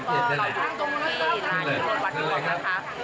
ก็รออยู่ตรงนี้ร้านที่วัดพรวงนะคะ